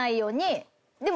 でも。